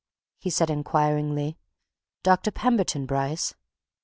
he said inquiringly. "Dr. Pemberton Bryce?"